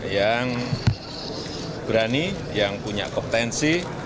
yang berani yang punya kompetensi